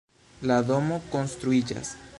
La domo konstruiĝas.